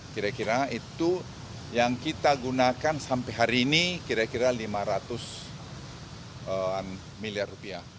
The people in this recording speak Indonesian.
kira kira itu yang kita gunakan sampai hari ini kira kira lima ratus miliar rupiah